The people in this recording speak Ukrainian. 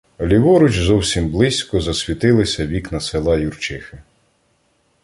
Ліворуч, зовсім близько, засвітилися вікна села Юрчихи.